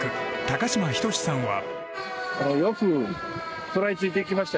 高嶋仁さんは。